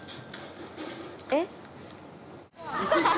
えっ？